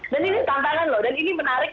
dan ini tantangan loh dan ini menarik